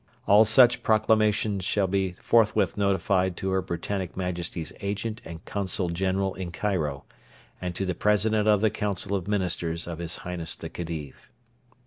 All such Proclamations shall be forthwith notified to Her Britannic Majesty's Agent and Consul General in Cairo, and to the President of the Council of Ministers of His Highness the Khedive.